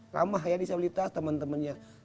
ramah ya disabilitas teman temannya